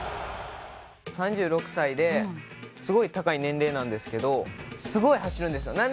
３６歳ですごい高い年齢なんですけどすごい走るんですよ。